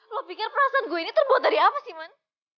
lo pikir perasaan gue ini terbuat dari apa sih man